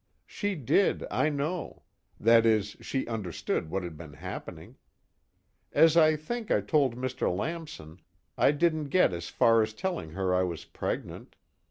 She did, I know that is, she understood what had been happening. As I think I told Mr. Lamson, I didn't get as far as telling her I was pregnant.